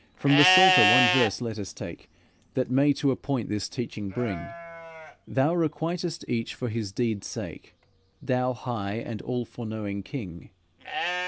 From the Psalter one verse let us take, That may to a point this teaching bring: 'Thou requitest each for his deed's sake, Thou high and all foreknowing King.'